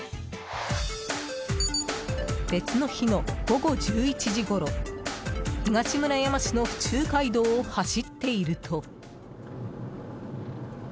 別の日の午後１１時ごろ東村山市の府中街道を走っていると。